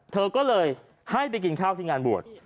เธอก็เลยให้ไปกินข้าวที่งานบวช